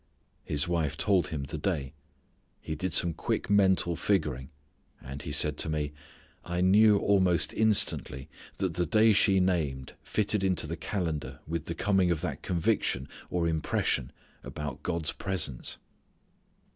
His wife told him the day. He did some quick mental figuring, and he said to me, "I knew almost instantly that the day she named fitted into the calendar with the coming of that conviction or impression about God's presence."